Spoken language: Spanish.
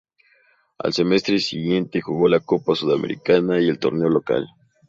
Al semestre siguiente jugó la Copa Sudamericana y el torneo local.